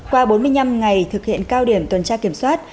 qua bốn mươi năm ngày thực hiện cao điểm tuần tra kiểm soát